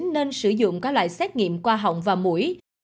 nên sử dụng các loại xét nghiệm qua họng và mũi